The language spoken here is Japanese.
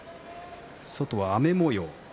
外は雨もよう。